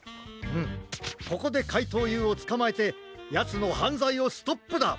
うんここでかいとうＵをつかまえてやつのはんざいをストップだ！